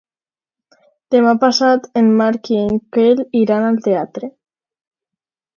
Demà passat en Marc i en Quel iran al teatre.